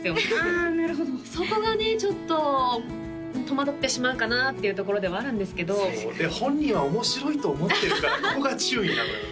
あなるほどそこがねちょっと戸惑ってしまうかなっていうところではあるんですけど本人は面白いと思ってるからここが注意なのよね